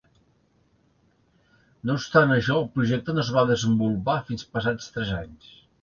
No obstant això, el projecte no es va desenvolupar fins passats tres anys.